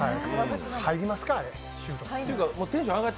入りますか、あれ？